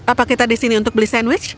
apa kita disini untuk beli sandwich